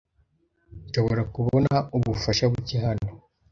Nshobora kubona ubufasha buke hano?